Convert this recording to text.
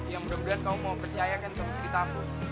ya mudah mudahan kamu mau percaya ken sama ceritamu